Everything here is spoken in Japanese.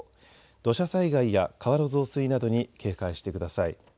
土砂災害や川の増水などに警戒してください。